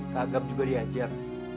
kak agam juga diajak